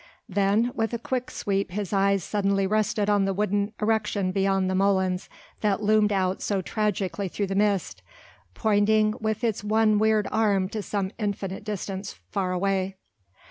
Then with a quick sweep his eyes suddenly rested on the wooden erection beyond the molens that loomed out so tragically through the mist, pointing with its one weird arm to some infinite distance far away.